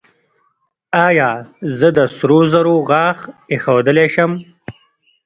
ایا زه د سرو زرو غاښ ایښودلی شم؟